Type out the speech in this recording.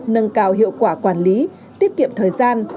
nâng cao hiệu quả quản lý tiết kiệm thời gian